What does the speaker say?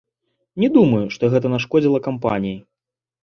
Не думаю, што гэта нашкодзіла кампаніі.